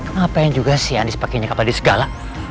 ngapain juga si andis pake nyekap tadi segala